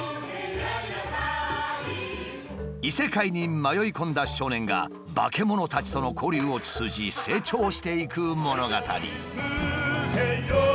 異世界に迷い込んだ少年がバケモノたちとの交流を通じ成長していく物語。